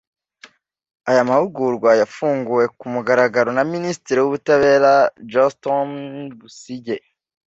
Aya mahugurwa yafunguwe ku mugaragaro na Minisitiri w’Ubutabera Johnston Busingye